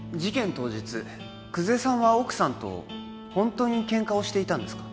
当日久世さんは奥さんと本当にケンカをしていたんですか？